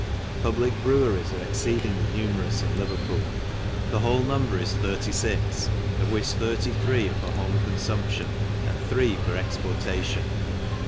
Public breweries are ex edingly numerous in Leverpool ; the whole num fcis thirty fix, of which thirty three are for home nfumption, and three for exportation.